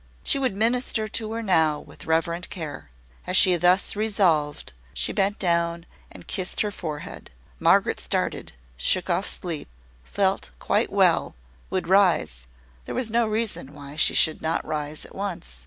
She would minister to her now with reverent care. As she thus resolved, she bent down, and kissed her forehead. Margaret started, shook off sleep, felt quite well, would rise; there was no reason why she should not rise at once.